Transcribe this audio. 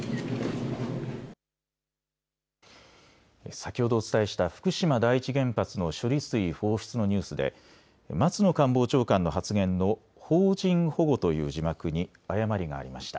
先ほどお伝えした福島第一原発の処理水放出のニュースで松野官房長官の発言の邦人保護という字幕に誤りがありました。